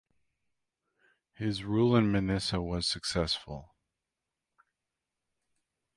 His rule in Manisa was successful.